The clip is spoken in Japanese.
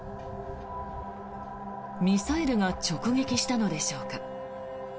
ミサイルが直撃したのでしょうか。